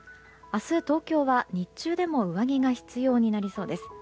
明日、東京は日中でも上着が必要になりそうです。